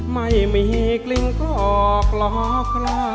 ไม่มีกลิ่นกรอกหลอกล่อ